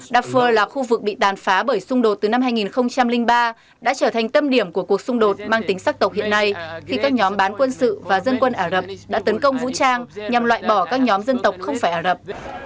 đa phương là khu vực bị tàn phá bởi xung đột từ năm hai nghìn ba đã trở thành tâm điểm của cuộc xung đột mang tính sắc tộc hiện nay khi các nhóm bán quân sự và dân quân ả rập đã tấn công vũ trang nhằm loại bỏ các nhóm dân tộc không phải ả rập